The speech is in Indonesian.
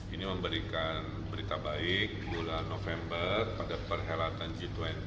ini memberikan berita baik bulan november pada perhelatan g dua puluh